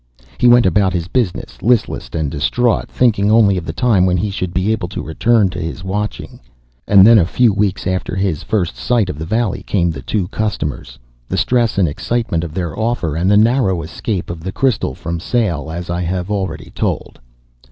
He went about his business listless and distraught, thinking only of the time when he should be able to return to his watching. And then a few weeks after his first sight of the valley came the two customers, the stress and excitement of their offer, and the narrow escape of the crystal from sale, as I have already told.